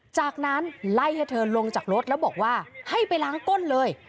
จากนั้นไล่ให้เธอลงจากรถแล้วบอกว่าให้ไปล้างก้นเลย